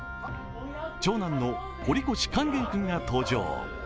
長男の堀越勸玄君が登場。